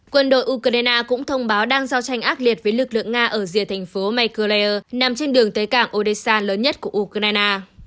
quân đội ukraine cũng thông báo đang giao tranh ác liệt với lực lượng nga ở rìa thành phố mikeleer nằm trên đường tới cảng odessa lớn nhất của ukraine